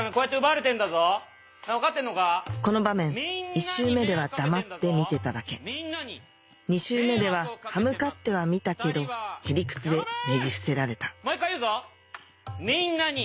１周目では黙って見てただけ２周目では歯向かってはみたけど屁理屈でねじ伏せられたもう一回言うぞみんなに。